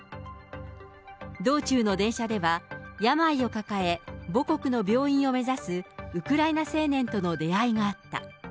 道中の電車では、病を抱え、母国の病院を目指すウクライナ青年との出会いがあった。